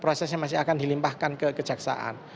prosesnya masih akan dilimpahkan ke kejaksaan